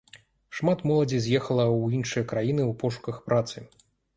Шмат моладзі з'ехала ў іншыя краіны ў пошуках працы.